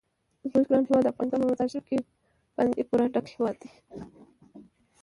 زموږ ګران هیواد افغانستان په مزارشریف باندې پوره ډک هیواد دی.